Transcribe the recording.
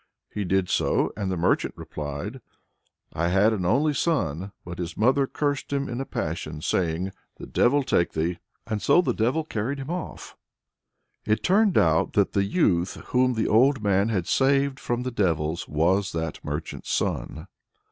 He did so, and the merchant replied, "I had an only son, but his mother cursed him in a passion, crying, 'The devil take thee!' And so the devil carried him off." It turned out that the youth whom the old man had saved from the devils was that merchant's son.